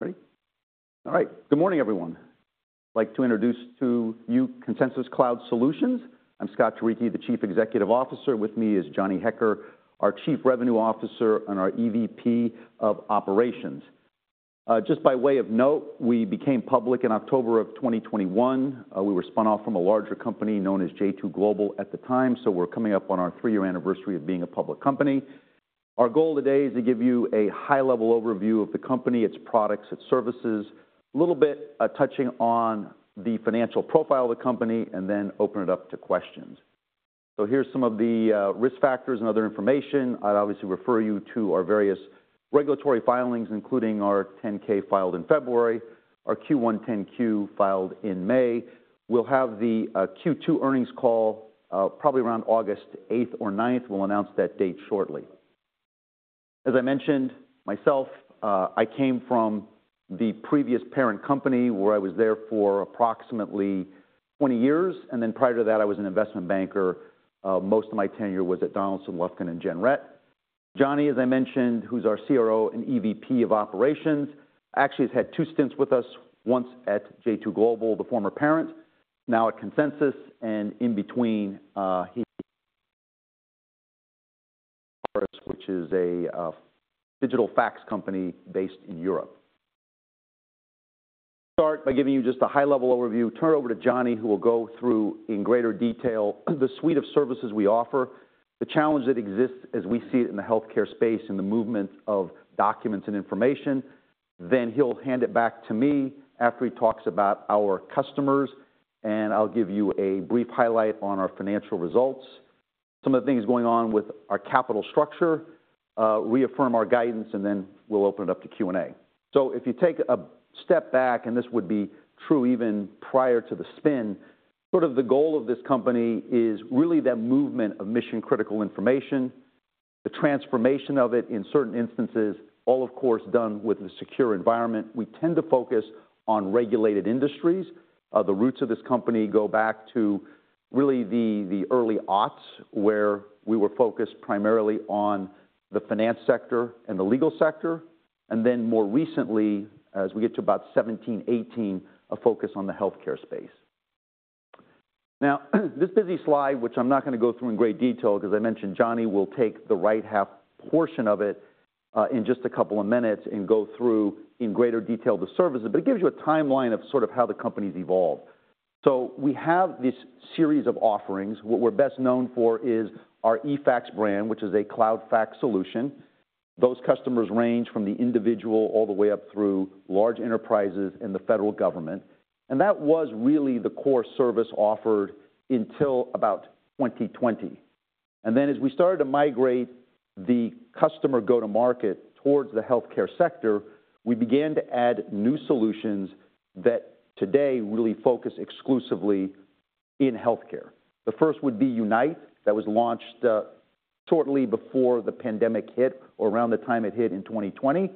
Ready? All right. Good morning, everyone. I'd like to introduce to you Consensus Cloud Solutions. I'm Scott Turicchi, the Chief Executive Officer. With me is Johnny Hecker, our Chief Revenue Officer and our EVP of Operations. Just by way of note, we became public in October of 2021. We were spun off from a larger company known as J2 Global at the time, so we're coming up on our three-year anniversary of being a public company. Our goal today is to give you a high-level overview of the company, its products, its services, a little bit, touching on the financial profile of the company, and then open it up to questions. So here's some of the risk factors and other information. I'd obviously refer you to our various regulatory filings, including our 10-K filed in February, our Q1 10-Q filed in May. We'll have the Q2 earnings call probably around August eighth or ninth. We'll announce that date shortly. As I mentioned, myself, I came from the previous parent company, where I was there for approximately 20 years, and then prior to that, I was an investment banker. Most of my tenure was at Donaldson, Lufkin & Jenrette. Johnny, as I mentioned, who's our CRO and EVP of Operations, actually has had two stints with us, once at J2 Global, the former parent, now at Consensus, and in between, which is a digital fax company based in Europe. Start by giving you just a high-level overview. Turn it over to Johnny, who will go through in greater detail the suite of services we offer, the challenge that exists as we see it in the healthcare space, and the movement of documents and information. Then he'll hand it back to me after he talks about our customers, and I'll give you a brief highlight on our financial results, some of the things going on with our capital structure, reaffirm our guidance, and then we'll open it up to Q&A. So if you take a step back, and this would be true even prior to the spin, sort of the goal of this company is really that movement of mission-critical information, the transformation of it in certain instances, all, of course, done with a secure environment. We tend to focus on regulated industries. The roots of this company go back to really the early aughts, where we were focused primarily on the finance sector and the legal sector, and then more recently, as we get to about 17, 18, a focus on the healthcare space. Now, this busy slide, which I'm not gonna go through in great detail, 'cause I mentioned Johnny, will take the right half portion of it, in just a couple of minutes and go through in greater detail the services. But it gives you a timeline of sort of how the company's evolved. So we have this series of offerings. What we're best known for is our eFax brand, which is a cloud fax solution. Those customers range from the individual all the way up through large enterprises and the federal government, and that was really the core service offered until about 2020. And then as we started to migrate the customer go-to-market towards the healthcare sector, we began to add new solutions that today really focus exclusively in healthcare. The first would be Unite. That was launched shortly before the pandemic hit, or around the time it hit in 2020.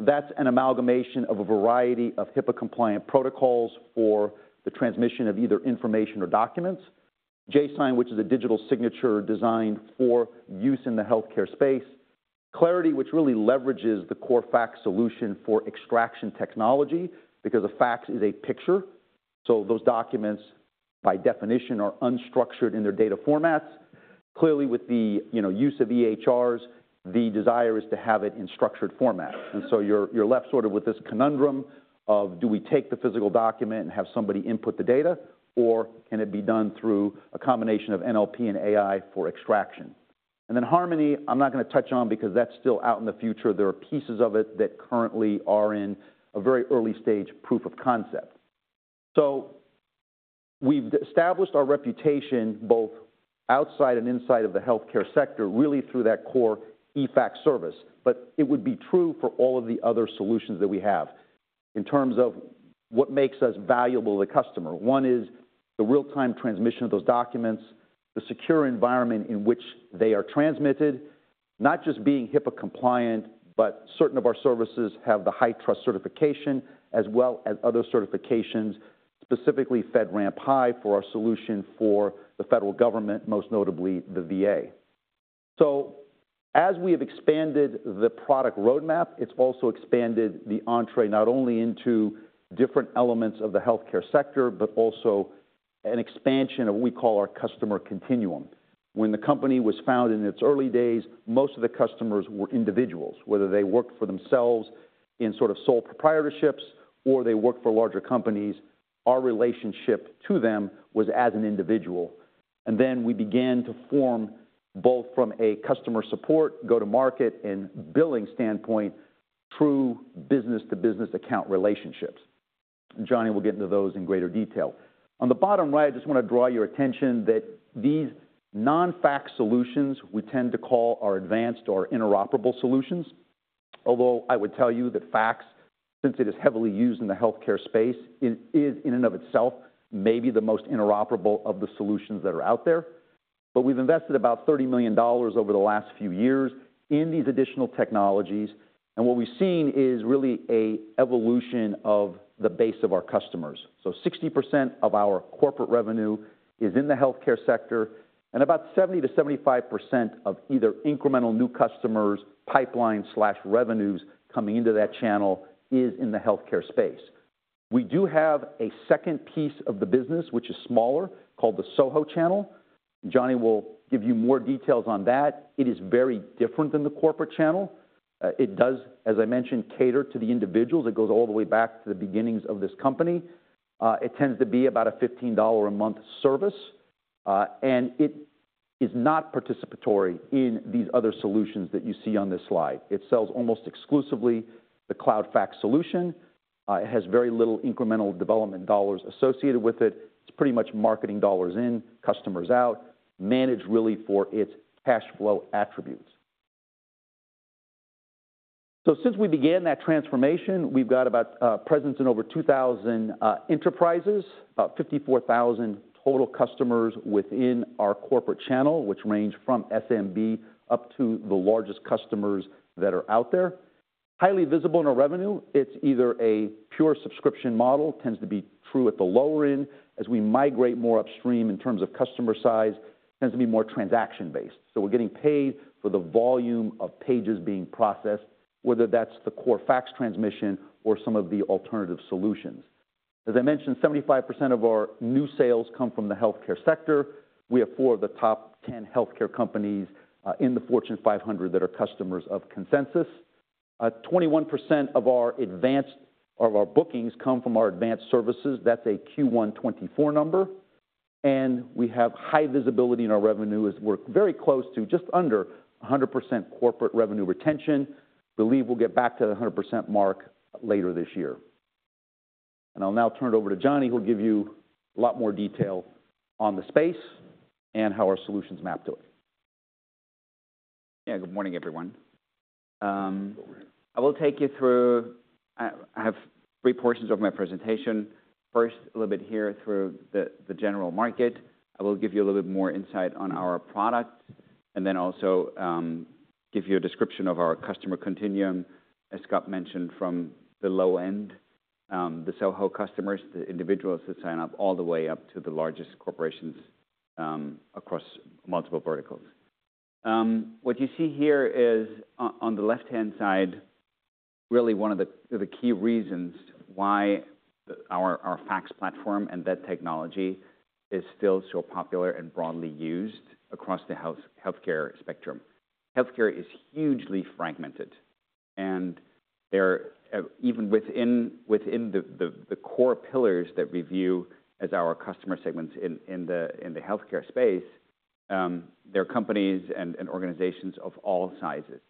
That's an amalgamation of a variety of HIPAA-compliant protocols for the transmission of either information or documents. jSign, which is a digital signature designed for use in the healthcare space. Clarity, which really leverages the core fax solution for extraction technology, because a fax is a picture, so those documents, by definition, are unstructured in their data formats. Clearly, with the, you know, use of EHRs, the desire is to have it in structured format. And so you're, you're left sort of with this conundrum of, do we take the physical document and have somebody input the data, or can it be done through a combination of NLP and AI for extraction? And then Harmony, I'm not gonna touch on because that's still out in the future. There are pieces of it that currently are in a very early stage proof of concept. So we've established our reputation both outside and inside of the healthcare sector, really through that core eFax service. But it would be true for all of the other solutions that we have in terms of what makes us valuable to the customer. One is the real-time transmission of those documents, the secure environment in which they are transmitted, not just being HIPAA compliant, but certain of our services have the HITRUST certification as well as other certifications, specifically FedRAMP High for our solution for the federal government, most notably the VA. So as we have expanded the product roadmap, it's also expanded the entree not only into different elements of the healthcare sector, but also an expansion of what we call our customer continuum. When the company was founded in its early days, most of the customers were individuals, whether they worked for themselves in sort of sole proprietorships or they worked for larger companies, our relationship to them was as an individual. Then we began to form, both from a customer support, go-to-market, and billing standpoint, true business-to-business account relationships. Johnny will get into those in greater detail. On the bottom right, I just want to draw your attention that these non-fax solutions we tend to call our advanced or interoperable solutions. Although I would tell you that fax, since it is heavily used in the healthcare space, is in and of itself maybe the most interoperable of the solutions that are out there. But we've invested about $30 million over the last few years in these additional technologies, and what we've seen is really a evolution of the base of our customers. So 60% of our corporate revenue is in the healthcare sector, and about 70%-75% of either incremental new customers, pipeline/revenues coming into that channel is in the healthcare space. We do have a second piece of the business, which is smaller, called the SoHo Channel. Johnny will give you more details on that. It is very different than the corporate channel. It does, as I mentioned, cater to the individuals. It goes all the way back to the beginnings of this company. It tends to be about a $15 a month service, and it is not participatory in these other solutions that you see on this slide. It sells almost exclusively the cloud fax solution. It has very little incremental development dollars associated with it. It's pretty much marketing dollars in, customers out, managed really for its cash flow attributes. So since we began that transformation, we've got about presence in over 2,000 enterprises, about 54,000 total customers within our corporate channel, which range from SMB up to the largest customers that are out there. Highly visible in our revenue, it's either a pure subscription model, tends to be true at the lower end. As we migrate more upstream in terms of customer size, tends to be more transaction-based. So we're getting paid for the volume of pages being processed, whether that's the core fax transmission or some of the alternative solutions. As I mentioned, 75% of our new sales come from the healthcare sector. We have four of the top 10 healthcare companies in the Fortune 500 that are customers of Consensus. 21% of our bookings come from our advanced services. That's a Q1 2024 number, and we have high visibility in our revenue as we're very close to just under 100% corporate revenue retention. Believe we'll get back to the 100% mark later this year. I'll now turn it over to Johnny, who'll give you a lot more detail on the space and how our solutions map to it. Yeah, good morning, everyone. I will take you through... I have three portions of my presentation. First, a little bit here through the general market. I will give you a little bit more insight on our products, and then also give you a description of our customer continuum, as Scott mentioned, from the low end, the SoHo customers, the individuals that sign up, all the way up to the largest corporations, across multiple verticals. What you see here is on the left-hand side, really one of the key reasons why our fax platform and that technology is still so popular and broadly used across the healthcare spectrum. Healthcare is hugely fragmented, and there are even within the core pillars that we view as our customer segments in the healthcare space, there are companies and organizations of all sizes.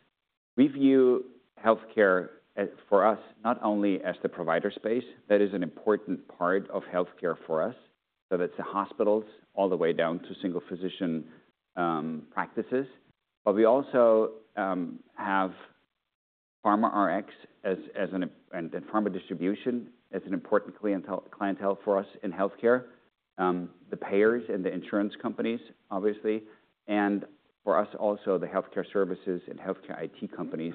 We view healthcare as for us, not only as the provider space, that is an important part of healthcare for us, so that's the hospitals all the way down to single physician practices. But we also have pharma Rx as an, and pharma distribution as an important clientele for us in healthcare. The payers and the insurance companies, obviously, and for us also the healthcare services and healthcare IT companies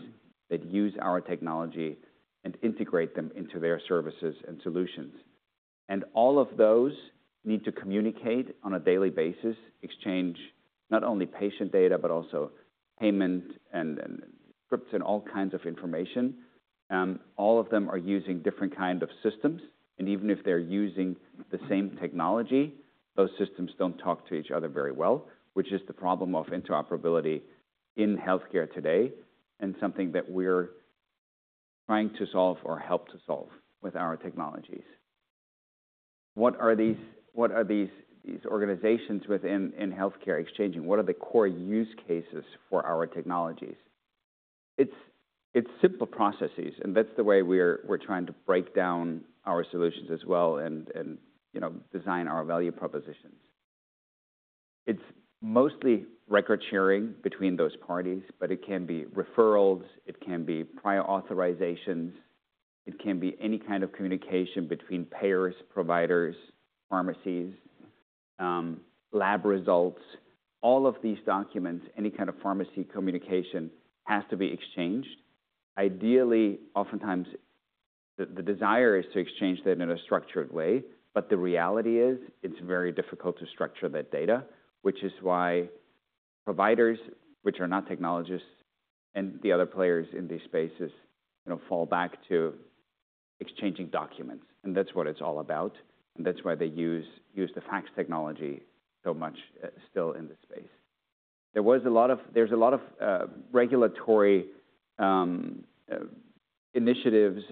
that use our technology and integrate them into their services and solutions. All of those need to communicate on a daily basis, exchange not only patient data, but also payment and scripts and all kinds of information. All of them are using different kind of systems, and even if they're using the same technology, those systems don't talk to each other very well, which is the problem of interoperability in healthcare today and something that we're trying to solve or help to solve with our technologies. What are these organizations within healthcare exchanging? What are the core use cases for our technologies? It's simple processes, and that's the way we're trying to break down our solutions as well and, you know, design our value propositions. It's mostly record sharing between those parties, but it can be referrals, it can be prior authorizations, it can be any kind of communication between payers, providers, pharmacies, lab results. All of these documents, any kind of pharmacy communication, has to be exchanged. Ideally, oftentimes, the desire is to exchange them in a structured way, but the reality is, it's very difficult to structure that data. Which is why providers, which are not technologists, and the other players in these spaces, you know, fall back to exchanging documents, and that's what it's all about, and that's why they use the fax technology so much still in this space. There's a lot of regulatory initiatives and initiatives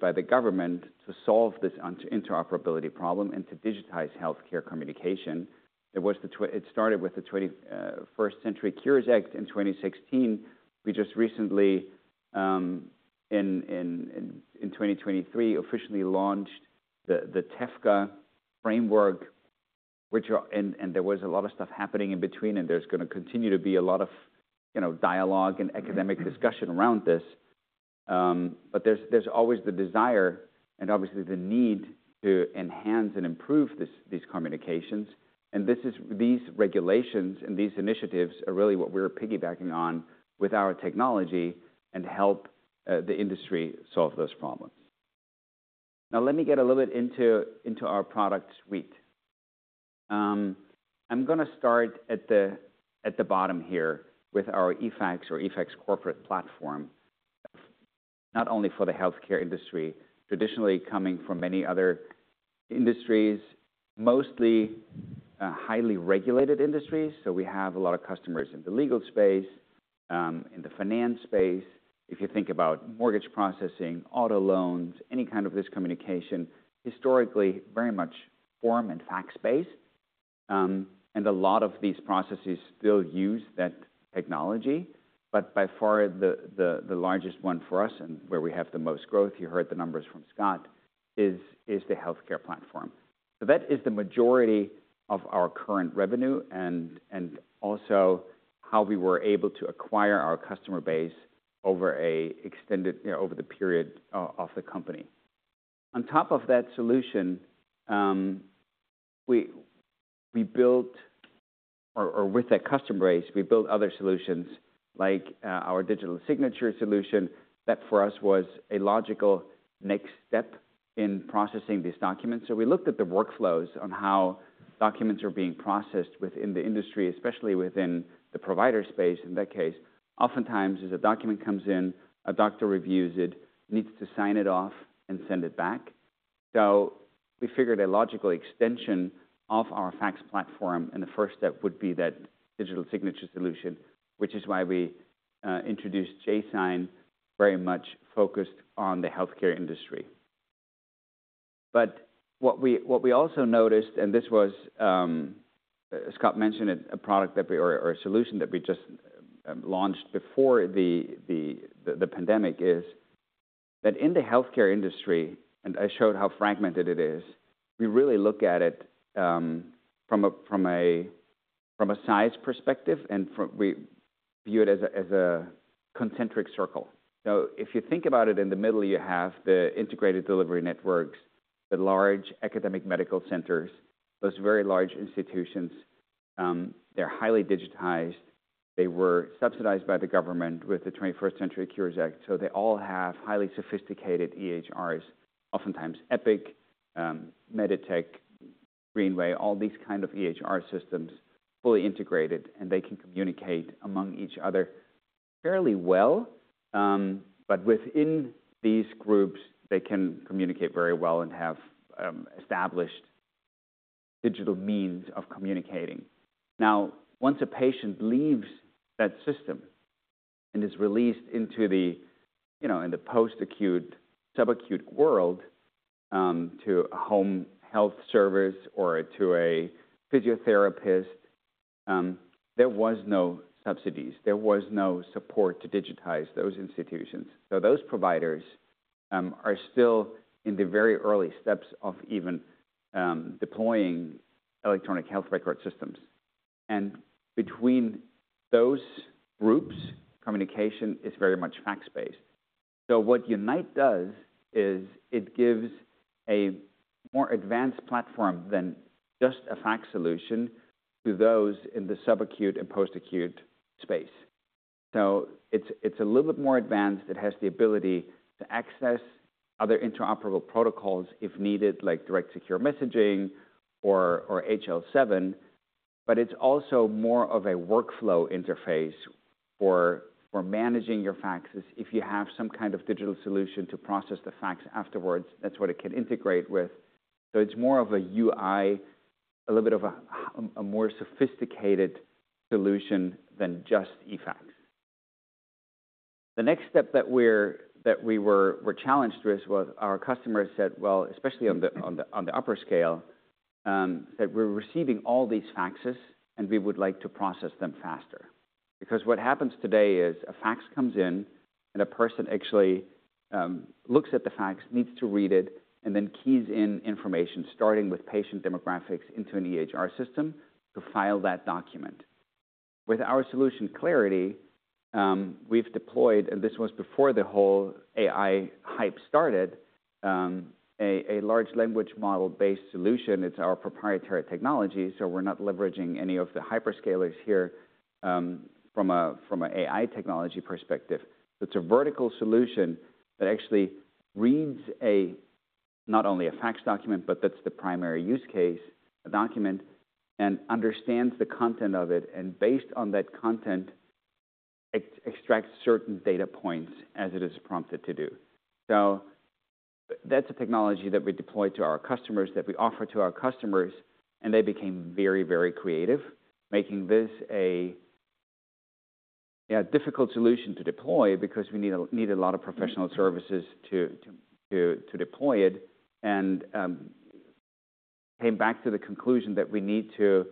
by the government to solve this interoperability problem and to digitize healthcare communication. It started with the 21st Century Cures Act in 2016. We just recently in 2023 officially launched the TEFCA framework, which are... And there was a lot of stuff happening in between, and there's gonna continue to be a lot of, you know, dialogue and academic discussion around this. But there's always the desire and obviously the need to enhance and improve this, these communications, and this is... These regulations and these initiatives are really what we're piggybacking on with our technology and help the industry solve those problems. Now, let me get a little bit into our product suite.... I'm gonna start at the bottom here with our eFax or eFax Corporate platform, not only for the healthcare industry, traditionally coming from many other industries, mostly highly regulated industries. So we have a lot of customers in the legal space, in the finance space. If you think about mortgage processing, auto loans, any kind of this communication, historically, very much form and fax-based. And a lot of these processes still use that technology, but by far the largest one for us and where we have the most growth, you heard the numbers from Scott, is the healthcare platform. So that is the majority of our current revenue and also how we were able to acquire our customer base over an extended, you know, over the period of the company. On top of that solution, with that customer base, we built other solutions like our digital signature solution. That, for us, was a logical next step in processing these documents. So we looked at the workflows on how documents are being processed within the industry, especially within the provider space. In that case, oftentimes, as a document comes in, a doctor reviews it, needs to sign it off and send it back. So we figured a logical extension of our fax platform, and the first step would be that digital signature solution, which is why we introduced jSign, very much focused on the healthcare industry. But what we also noticed, and this was, Scott mentioned it, a product that we... Or a solution that we just launched before the pandemic, is that in the healthcare industry, and I showed how fragmented it is, we really look at it from a size perspective, and we view it as a concentric circle. So if you think about it, in the middle, you have the integrated delivery networks, the large academic medical centers, those very large institutions. They're highly digitized. They were subsidized by the government with the 21st Century Cures Act, so they all have highly sophisticated EHRs, oftentimes Epic, MEDITECH, Greenway, all these kind of EHR systems, fully integrated, and they can communicate among each other fairly well. But within these groups, they can communicate very well and have established digital means of communicating. Now, once a patient leaves that system and is released into the, you know, in the post-acute, subacute world, to a home health service or to a physiotherapist, there was no subsidies. There was no support to digitize those institutions. So those providers are still in the very early steps of even deploying electronic health record systems. And between those groups, communication is very much fax-based. So what Unite does is it gives a more advanced platform than just a fax solution to those in the subacute and post-acute space. So it's a little bit more advanced. It has the ability to access other interoperable protocols if needed, like Direct Secure Messaging or HL7, but it's also more of a workflow interface for managing your faxes. If you have some kind of digital solution to process the fax afterwards, that's what it can integrate with. So it's more of a UI, a little bit of a more sophisticated solution than just eFax. The next step that we were challenged with was our customers said, well, especially on the upper scale, that we're receiving all these faxes, and we would like to process them faster. Because what happens today is a fax comes in, and a person actually looks at the fax, needs to read it, and then keys in information, starting with patient demographics, into an EHR system to file that document. With our solution, Clarity, we've deployed, and this was before the whole AI hype started, a large language model-based solution. It's our proprietary technology, so we're not leveraging any of the hyperscalers here from an AI technology perspective. It's a vertical solution that actually reads not only a fax document, but that's the primary use case, a document, and understands the content of it, and based on that content, extracts certain data points as it is prompted to do. So that's a technology that we deploy to our customers, that we offer to our customers, and they became very, very creative, making this a difficult solution to deploy because we need a lot of professional services to deploy it. Came back to the conclusion that we need to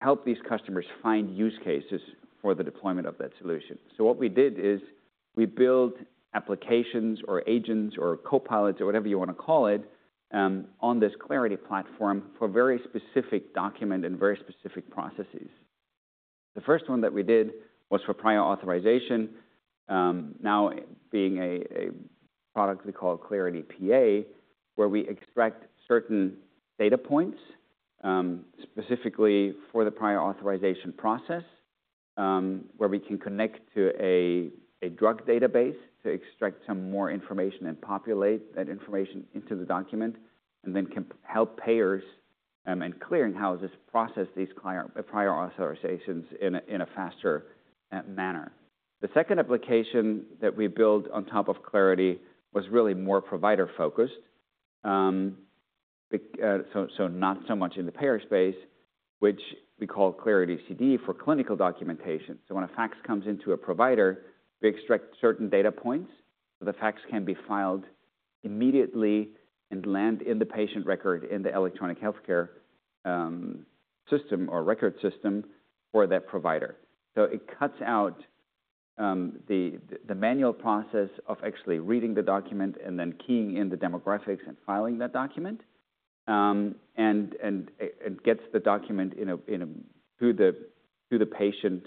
help these customers find use cases for the deployment of that solution. So what we did is we built applications or agents or copilots, or whatever you want to call it, on this Clarity platform for very specific document and very specific processes. The first one that we did was for prior authorization, now being a product we call Clarity PA, where we extract certain data points, specifically for the prior authorization process, where we can connect to a drug database to extract some more information and populate that information into the document, and then can help payers and clearing houses process these prior authorizations in a faster manner. The second application that we built on top of Clarity was really more provider-focused. So not so much in the payer space, which we call Clarity CD for clinical documentation. So when a fax comes into a provider, we extract certain data points, so the fax can be filed immediately and land in the patient record in the electronic healthcare system or record system for that provider. So it cuts out the manual process of actually reading the document and then keying in the demographics and filing that document. And it gets the document in a through the patient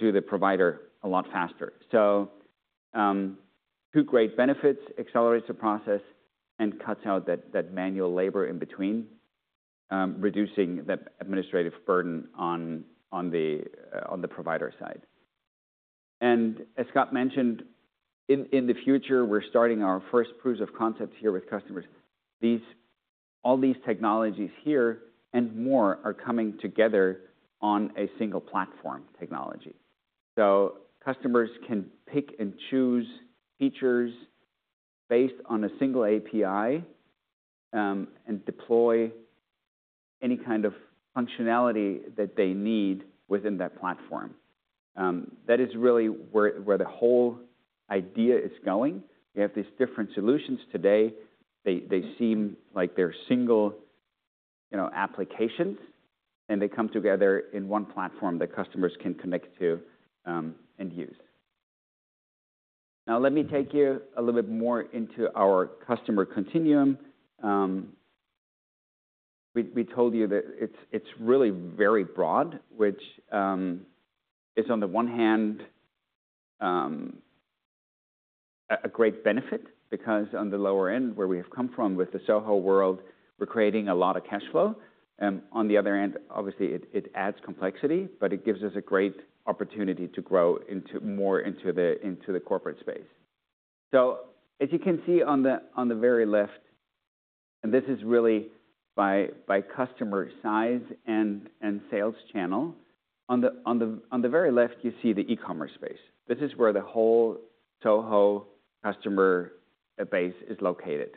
to the provider a lot faster. So 2 great benefits, accelerates the process and cuts out that manual labor in between, reducing the administrative burden on the provider side. And as Scott mentioned, in the future, we're starting our first proofs of concepts here with customers. All these technologies here and more are coming together on a single platform technology. So customers can pick and choose features based on a single API, and deploy any kind of functionality that they need within that platform. That is really where the whole idea is going. We have these different solutions today. They seem like they're single, you know, applications, and they come together in one platform that customers can connect to, and use. Now, let me take you a little bit more into our customer continuum. We told you that it's really very broad, which is on the one hand a great benefit, because on the lower end, where we have come from with the SoHo world, we're creating a lot of cash flow. On the other end, obviously it adds complexity, but it gives us a great opportunity to grow into more into the corporate space. So as you can see on the very left, and this is really by customer size and sales channel. On the very left, you see the e-commerce space. This is where the whole SoHo customer base is located.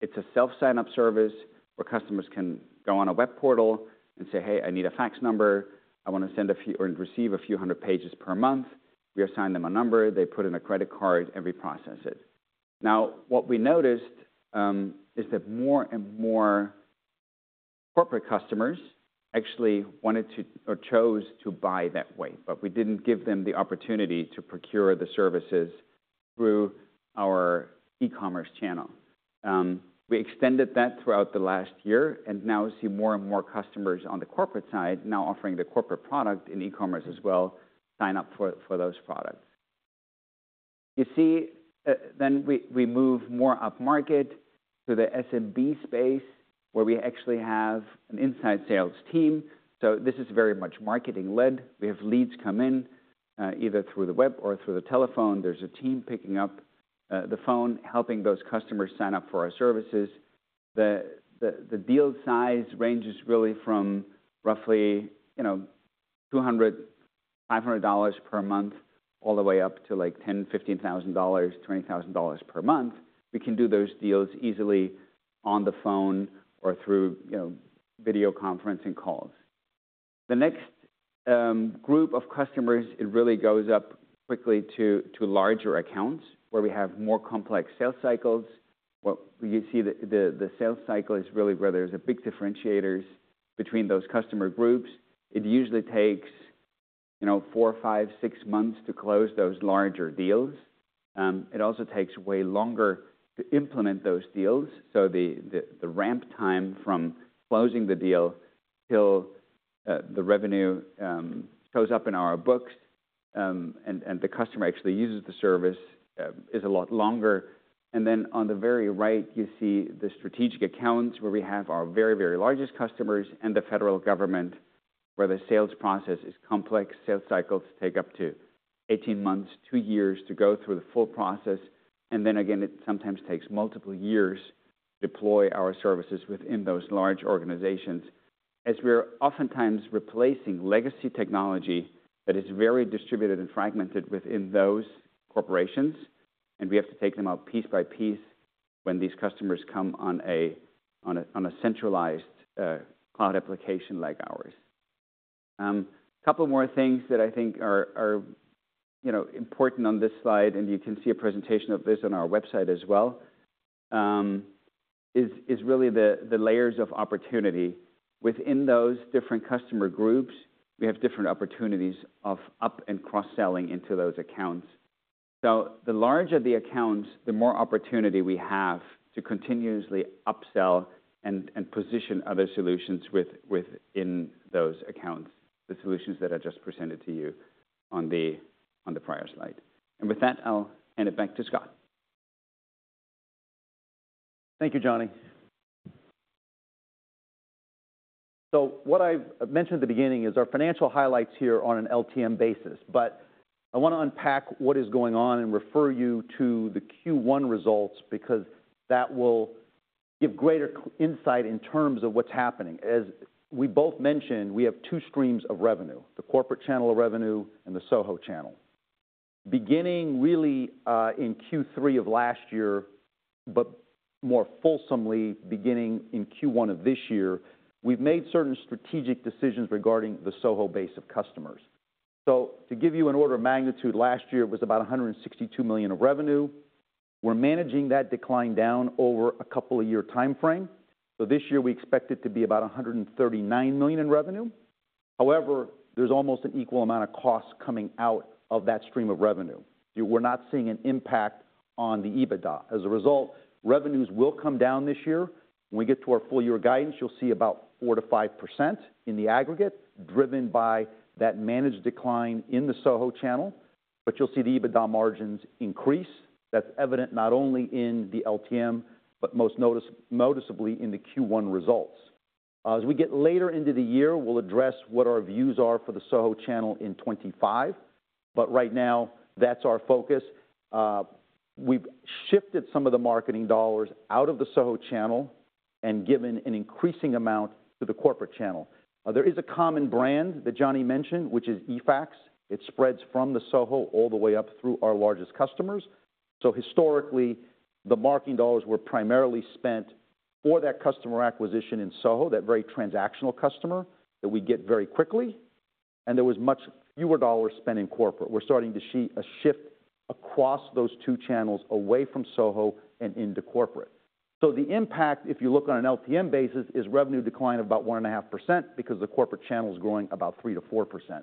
It's a self-sign-up service, where customers can go on a web portal and say, "Hey, I need a fax number. I want to send a few or receive a few hundred pages per month." We assign them a number, they put in a credit card, and we process it. Now, what we noticed is that more and more corporate customers actually wanted to or chose to buy that way, but we didn't give them the opportunity to procure the services through our e-commerce channel. We extended that throughout the last year, and now we see more and more customers on the corporate side, now offering the corporate product in e-commerce as well, sign up for those products. You see, then we move more upmarket to the SMB space, where we actually have an inside sales team. So this is very much marketing-led. We have leads come in, either through the web or through the telephone. There's a team picking up the phone, helping those customers sign up for our services. The deal size ranges really from roughly, you know, $200-$500 per month, all the way up to, like, $10,000, $15,000, $20,000 per month. We can do those deals easily on the phone or through, you know, video conferencing calls. The next group of customers, it really goes up quickly to larger accounts, where we have more complex sales cycles. What you see, the sales cycle is really where there's a big differentiators between those customer groups. It usually takes, you know, 4, 5, 6 months to close those larger deals. It also takes way longer to implement those deals, so the ramp time from closing the deal till the revenue shows up in our books, and the customer actually uses the service, is a lot longer. And then on the very right, you see the strategic accounts, where we have our very, very largest customers and the federal government, where the sales process is complex. Sales cycles take up to 18 months, 2 years, to go through the full process. Then again, it sometimes takes multiple years to deploy our services within those large organizations, as we're oftentimes replacing legacy technology that is very distributed and fragmented within those corporations, and we have to take them out piece by piece when these customers come on a centralized cloud application like ours. Couple more things that I think are, you know, important on this slide, and you can see a presentation of this on our website as well, is really the layers of opportunity. Within those different customer groups, we have different opportunities of up- and cross-selling into those accounts. So the larger the accounts, the more opportunity we have to continuously upsell and position other solutions within those accounts, the solutions that I just presented to you on the prior slide. With that, I'll hand it back to Scott. Thank you, Johnny. So what I've mentioned at the beginning is our financial highlights here on an LTM basis, but I want to unpack what is going on and refer you to the Q1 results, because that will give greater insight in terms of what's happening. As we both mentioned, we have two streams of revenue: the corporate channel of revenue and the SoHo channel. Beginning really in Q3 of last year, but more fulsomely beginning in Q1 of this year, we've made certain strategic decisions regarding the SoHo base of customers. So to give you an order of magnitude, last year was about $162 million of revenue. We're managing that decline down over a couple of year time frame. So this year, we expect it to be about $139 million in revenue. However, there's almost an equal amount of costs coming out of that stream of revenue. We're not seeing an impact on the EBITDA. As a result, revenues will come down this year. When we get to our full year guidance, you'll see about 4%-5% in the aggregate, driven by that managed decline in the SoHo channel, but you'll see the EBITDA margins increase. That's evident not only in the LTM, but most notice, noticeably in the Q1 results. As we get later into the year, we'll address what our views are for the SoHo channel in 2025, but right now, that's our focus. We've shifted some of the marketing dollars out of the SoHo channel and given an increasing amount to the corporate channel. There is a common brand that Johnny mentioned, which is eFax. It spreads from the SoHo all the way up through our largest customers. So historically, the marketing dollars were primarily spent for that customer acquisition in SoHo, that very transactional customer that we get very quickly, and there was much fewer dollars spent in corporate. We're starting to see a shift across those two channels away from SoHo and into corporate. So the impact, if you look on an LTM basis, is revenue decline of about 1.5% because the corporate channel is growing about 3%-4%.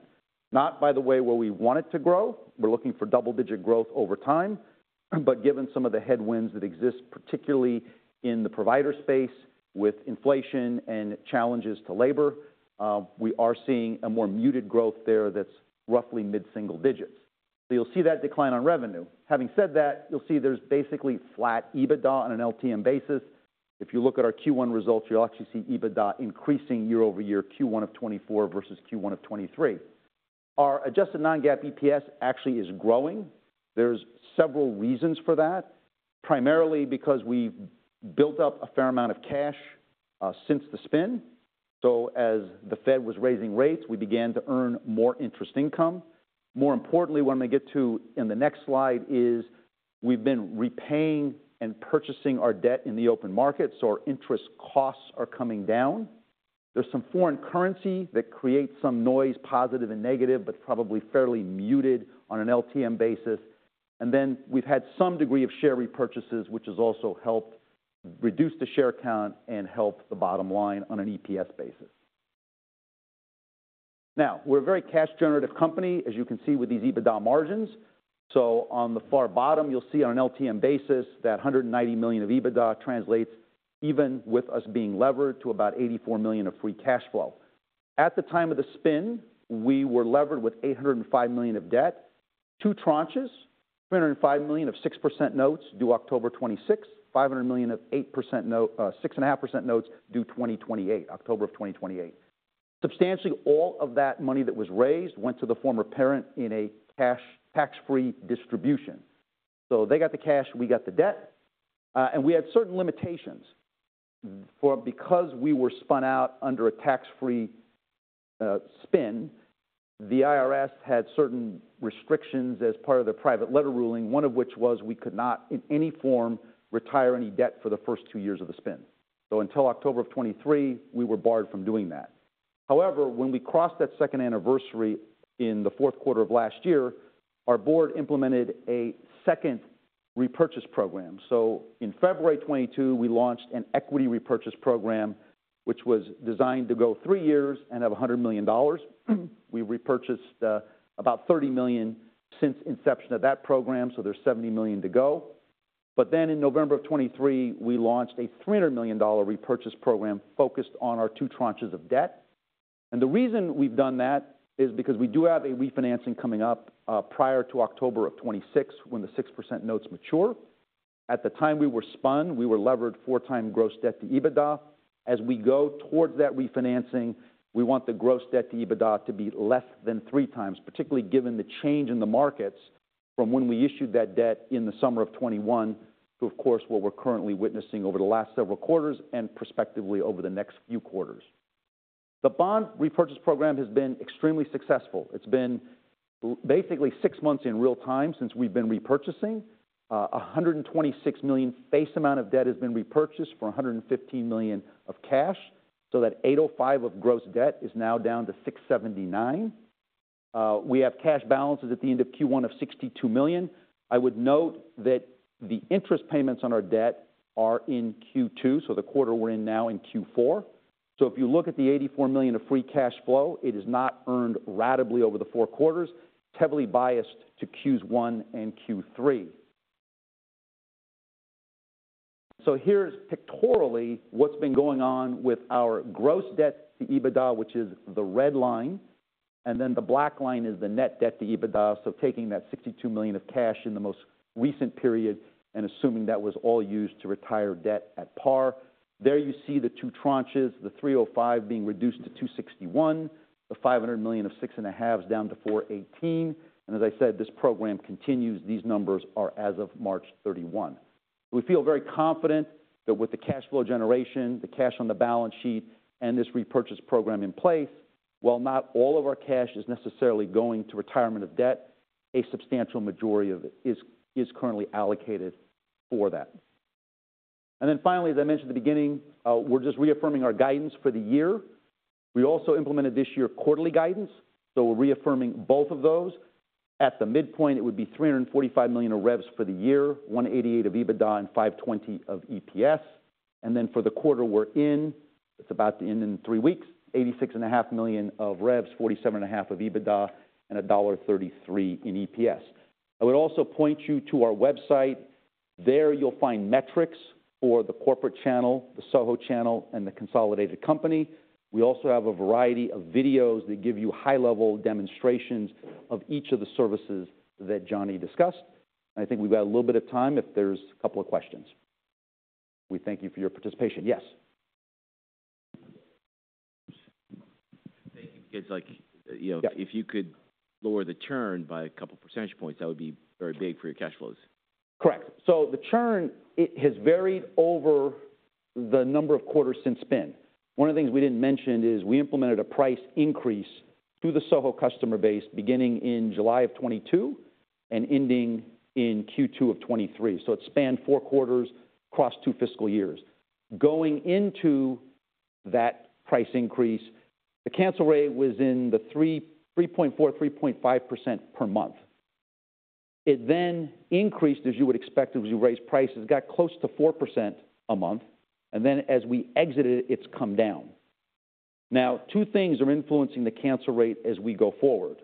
Not, by the way, where we want it to grow. We're looking for double-digit growth over time, but given some of the headwinds that exist, particularly in the provider space with inflation and challenges to labor, we are seeing a more muted growth there that's roughly mid-single digits. So you'll see that decline on revenue. Having said that, you'll see there's basically flat EBITDA on an LTM basis. If you look at our Q1 results, you'll actually see EBITDA increasing year-over-year, Q1 of 2024 versus Q1 of 2023. Our adjusted non-GAAP EPS actually is growing. There's several reasons for that, primarily because we've built up a fair amount of cash since the spin. So as the Fed was raising rates, we began to earn more interest income. More importantly, what I'm going to get to in the next slide is we've been repaying and purchasing our debt in the open market, so our interest costs are coming down. There's some foreign currency that creates some noise, positive and negative, but probably fairly muted on an LTM basis. Then we've had some degree of share repurchases, which has also helped reduce the share count and help the bottom line on an EPS basis. Now, we're a very cash-generative company, as you can see with these EBITDA margins. So on the far bottom, you'll see on an LTM basis that $190 million of EBITDA translates even with us being levered to about $84 million of free cash flow. At the time of the spin, we were levered with $805 million of debt, two tranches, $305 million of 6% notes due October 2026, $500 million of 8% note, six and a half percent notes due 2028, October of 2028. Substantially all of that money that was raised went to the former parent in a cash tax-free distribution. So they got the cash, we got the debt, and we had certain limitations. For because we were spun out under a tax-free spin, the IRS had certain restrictions as part of the private letter ruling, one of which was we could not, in any form, retire any debt for the first two years of the spin. So until October of 2023, we were barred from doing that. However, when we crossed that second anniversary in the fourth quarter of last year, our board implemented a second repurchase program. So in February of 2022, we launched an equity repurchase program, which was designed to go three years and have $100 million. We repurchased about $30 million since inception of that program, so there's $70 million to go. But then in November 2023, we launched a $300 million repurchase program focused on our two tranches of debt. And the reason we've done that is because we do have a refinancing coming up prior to October 2026, when the 6% notes mature. At the time we were spun, we were levered four times gross debt to EBITDA. As we go towards that refinancing, we want the gross debt to EBITDA to be less than 3x, particularly given the change in the markets from when we issued that debt in the summer of 2021 to, of course, what we're currently witnessing over the last several quarters and prospectively over the next few quarters. The bond repurchase program has been extremely successful. It's been basically six months in real time since we've been repurchasing. A $126 million face amount of debt has been repurchased for $115 million of cash, so that 805 of gross debt is now down to 679. We have cash balances at the end of Q1 of 62 million. I would note that the interest payments on our debt are in Q2, so the quarter we're in now in Q4. So if you look at the 84 million of free cash flow, it is not earned ratably over the four quarters. It's heavily biased to Q1 and Q3. So here's pictorially what's been going on with our gross debt to EBITDA, which is the red line. And then the black line is the net debt to EBITDA. Taking that $62 million of cash in the most recent period and assuming that was all used to retire debt at par. There you see the two tranches, the 305 being reduced to 261, the $500 million of 6 1/2's down to 418. And as I said, this program continues. These numbers are as of March 31. We feel very confident that with the cash flow generation, the cash on the balance sheet, and this repurchase program in place, while not all of our cash is necessarily going to retirement of debt, a substantial majority of it is, is currently allocated for that. And then finally, as I mentioned at the beginning, we're just reaffirming our guidance for the year. We also implemented this year quarterly guidance, so we're reaffirming both of those. At the midpoint, it would be $345 million of revs for the year, $188 million of EBITDA, and $5.20 of EPS. And then for the quarter we're in, it's about to end in three weeks, $86.5 million of revs, $47.5 million of EBITDA, and $1.33 in EPS. I would also point you to our website. There you'll find metrics for the corporate channel, the SoHo channel, and the consolidated company. We also have a variety of videos that give you high-level demonstrations of each of the services that Johnny discussed. I think we've got a little bit of time if there's a couple of questions. We thank you for your participation. Yes? It's like, you know- Yeah. If you could lower the churn by a couple percentage points, that would be very big for your cash flows. Correct. So the churn, it has varied over the number of quarters since then. One of the things we didn't mention is we implemented a price increase to the SoHo customer base, beginning in July of 2022 and ending in Q2 of 2023. So it spanned four quarters across two fiscal years. Going into that price increase, the cancel rate was in the 3%, 3.4%, 3.5% per month. It then increased, as you would expect, as you raise prices. It got close to 4% a month, and then as we exited it, it's come down. Now, two things are influencing the cancel rate as we go forward.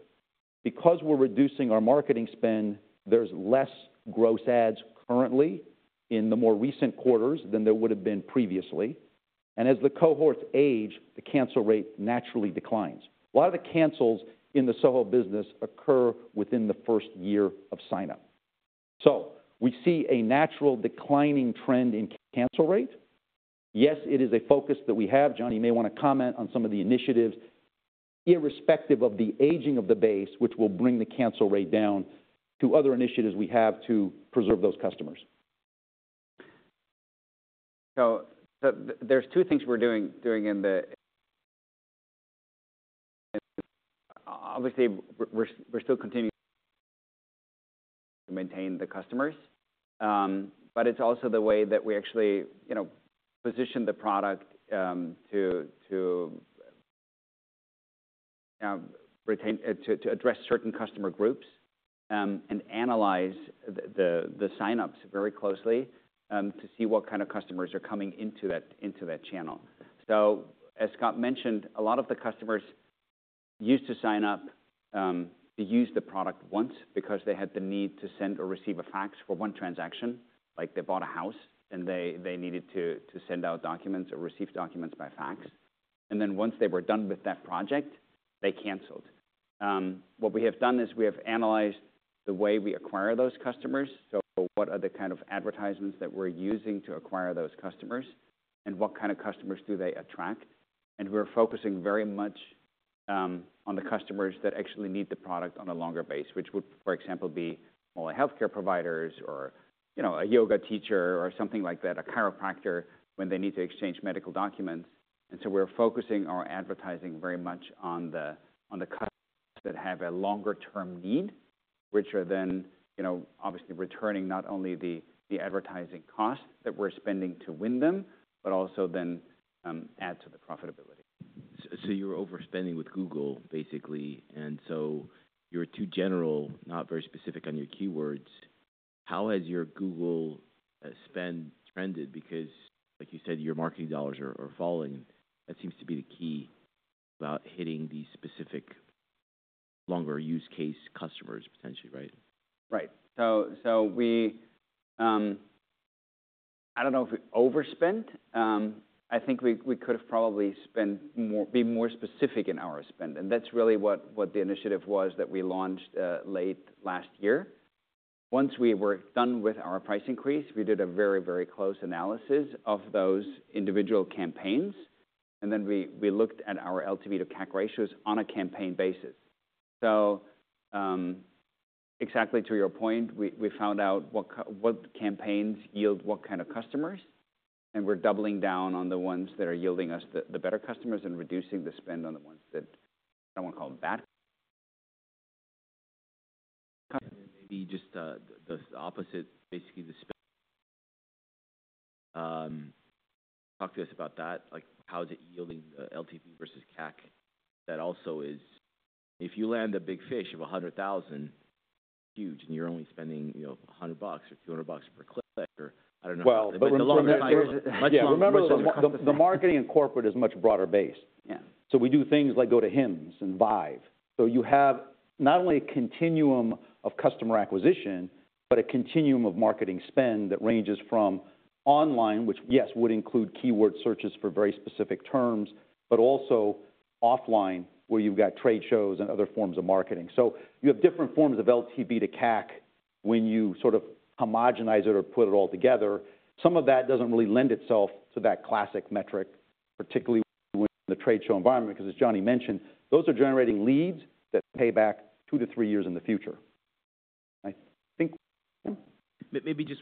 Because we're reducing our marketing spend, there's less gross adds currently in the more recent quarters than there would have been previously. And as the cohorts age, the cancel rate naturally declines. A lot of the cancels in the SoHo business occur within the first year of sign-up. So we see a natural declining trend in cancel rate. Yes, it is a focus that we have. Johnny, you may want to comment on some of the initiatives, irrespective of the aging of the base, which will bring the cancel rate down to other initiatives we have to preserve those customers. So there's two things we're doing in the... Obviously, we're still continuing to maintain the customers, but it's also the way that we actually, you know, position the product to address certain customer groups, and analyze the sign-ups very closely to see what kind of customers are coming into that channel. So as Scott mentioned, a lot of the customers used to sign up to use the product once because they had the need to send or receive a fax for one transaction. Like, they bought a house, and they needed to send out documents or receive documents by fax. And then once they were done with that project, they canceled. What we have done is we have analyzed the way we acquire those customers. What are the kind of advertisements that we're using to acquire those customers, and what kind of customers do they attract? We're focusing very much on the customers that actually need the product on a longer basis, which would, for example, be more like healthcare providers or, you know, a yoga teacher or something like that, a chiropractor, when they need to exchange medical documents. So we're focusing our advertising very much on the customers that have a longer-term need, which are then, you know, obviously returning not only the advertising costs that we're spending to win them, but also then add to the profitability. So, you're overspending with Google, basically, and so you're too general, not very specific on your keywords. How has your Google spend trended? Because, like you said, your marketing dollars are falling. That seems to be the key about hitting these specific longer use case customers, potentially, right? Right. So we, I don't know if we overspent. I think we could have probably spent more—be more specific in our spend, and that's really what the initiative was that we launched late last year. Once we were done with our price increase, we did a very close analysis of those individual campaigns, and then we looked at our LTV to CAC ratios on a campaign basis. So, exactly to your point, we found out what campaigns yield what kind of customers, and we're doubling down on the ones that are yielding us the better customers and reducing the spend on the ones that I won't call them bad. Maybe just the opposite, basically the spend. Talk to us about that, like, how is it yielding LTV versus CAC? That also is if you land a big fish of $100,000, huge, and you're only spending, you know, $100 or $200 per click, or I don't know- Well, but remember, the marketing in corporate is much broader based. Yeah. So we do things like go to HIMSS and ViVE. So you have not only a continuum of customer acquisition, but a continuum of marketing spend that ranges from online, which, yes, would include keyword searches for very specific terms, but also offline, where you've got trade shows and other forms of marketing. So you have different forms of LTV to CAC- when you sort of homogenize it or put it all together, some of that doesn't really lend itself to that classic metric, particularly in the trade show environment, because as Johnny mentioned, those are generating leads that pay back 2-3 years in the future. I think- Maybe just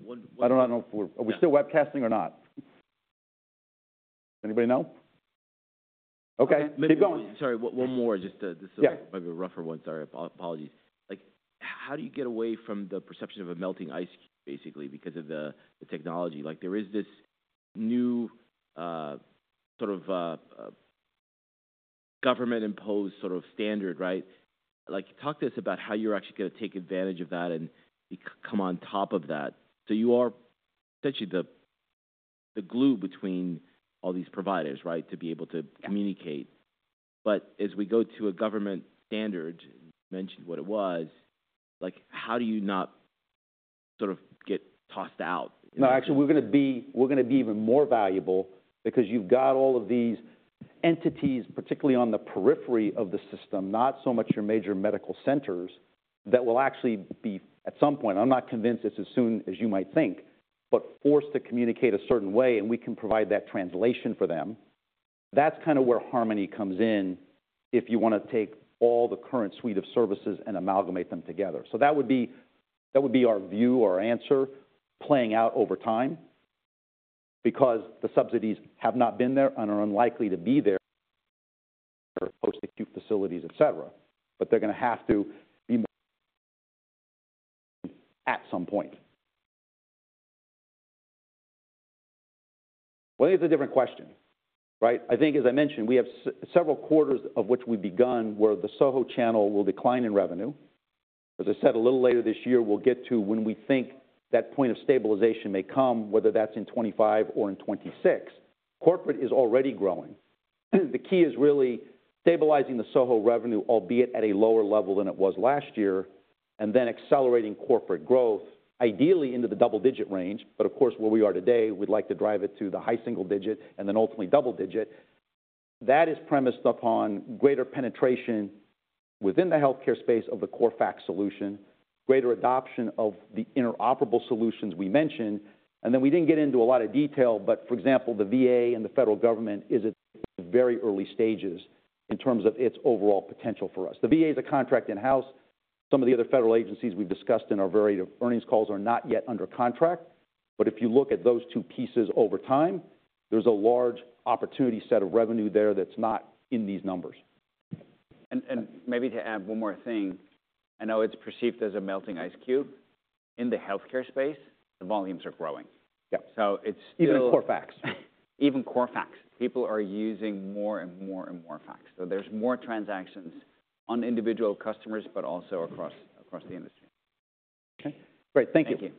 one- I don't know if we're still webcasting or not? Are we? Anybody know? Okay, keep going. Sorry, one more, just, Yeah. This is maybe a rougher one. Sorry, apologies. Like, how do you get away from the perception of a melting ice cube, basically, because of the technology? Like, there is this new, sort of, government-imposed sort of standard, right? Like, talk to us about how you're actually gonna take advantage of that and come on top of that. So you are essentially the glue between all these providers, right, to be able to communicate. But as we go to a government standard, you mentioned what it was, like, how do you not sort of get tossed out? No, actually, we're gonna be, we're gonna be even more valuable because you've got all of these entities, particularly on the periphery of the system, not so much your major medical centers, that will actually be, at some point, I'm not convinced it's as soon as you might think, but forced to communicate a certain way, and we can provide that translation for them. That's kind of where Harmony comes in, if you want to take all the current suite of services and amalgamate them together. So that would be, that would be our view or answer playing out over time, because the subsidies have not been there and are unlikely to be there for post-acute facilities, et cetera. But they're gonna have to be at some point. Well, it's a different question, right? I think, as I mentioned, we have several quarters of which we've begun, where the SoHo channel will decline in revenue. As I said, a little later this year, we'll get to when we think that point of stabilization may come, whether that's in 2025 or in 2026. Corporate is already growing. The key is really stabilizing the SoHo revenue, albeit at a lower level than it was last year, and then accelerating corporate growth, ideally into the double-digit range. But of course, where we are today, we'd like to drive it to the high single digit and then ultimately double digit. That is premised upon greater penetration within the healthcare space of the eFax solution, greater adoption of the interoperable solutions we mentioned, and then we didn't get into a lot of detail, but for example, the VA and the federal government is at very early stages in terms of its overall potential for us. The VA is a contract in-house. Some of the other federal agencies we've discussed in our varied earnings calls are not yet under contract. But if you look at those two pieces over time, there's a large opportunity set of revenue there that's not in these numbers. And maybe to add one more thing. I know it's perceived as a melting ice cube. In the healthcare space, the volumes are growing. Yeah. So it's still- Even Core Fax. eFax Corporate. People are using more and more and more fax. So there's more transactions on individual customers, but also across the industry. Okay, great. Thank you.